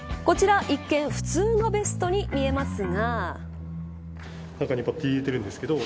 こちら一見普通のベストに見えますが。